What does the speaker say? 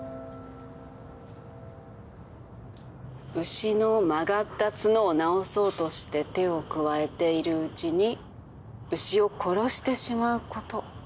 「牛の曲がった角を直そうとして手を加えているうちに牛を殺してしまうこと」